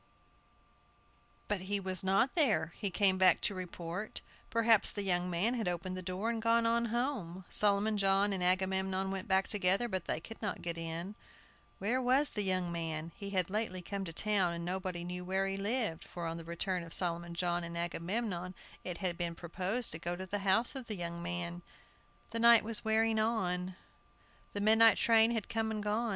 But he was not there! He came back to report. Perhaps the young man had opened the door and gone on home. Solomon John and Agamemnon went back together, but they could not get in. Where was the young man? He had lately come to town, and nobody knew where he lived, for on the return of Solomon John and Agamemnon it had been proposed to go to the house of the young man. The night was wearing on. The midnight train had come and gone.